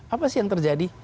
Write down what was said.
apa sih yang terjadi